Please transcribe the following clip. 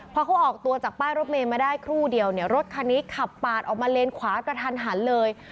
พอเขาออกตัวจากป้ายรถเมย์มาได้ครู่เดียวเนี่ยรถคันนี้ขับปาดออกมาเลนขวากระทันหันเลย